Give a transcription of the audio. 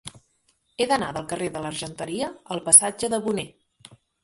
He d'anar del carrer de l'Argenteria al passatge de Boné.